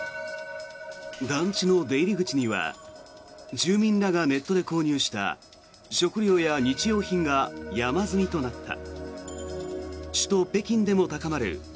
団地の出入り口には住民らがネットで購入した食料や日用品が山積みとなった。